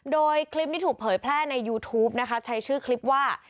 โดยคลิปนี้ถูกเผยแพร่ในยูทูปนะคะใช้ชื่อคลิปว่า